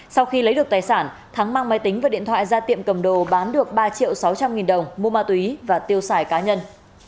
sau khi lấy được tài sản thắng mang máy tính và điện thoại ra tiệm cầm đồ bán được ba triệu sáu trăm linh nghìn đồng mua ma túy và tiêu xài cá nhân